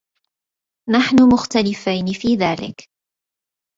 نحن مختلفين فى ذلك.